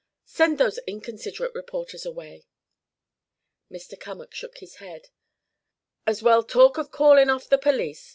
Send those inconsiderate reporters away." Mr. Cummack shook his head. "As well talk of calling off the police.